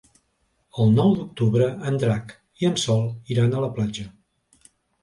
El nou d'octubre en Drac i en Sol iran a la platja.